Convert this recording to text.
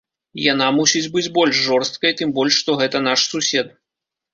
Яна мусіць быць больш жорсткай, тым больш што гэта наш сусед.